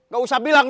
gak usah bilang